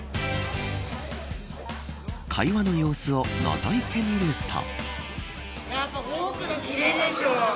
会話の様子をのぞいてみると。